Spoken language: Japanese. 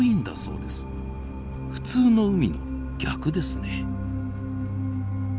普通の海の逆ですね。